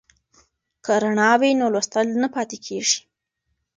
که رڼا وي نو لوستل نه پاتې کیږي.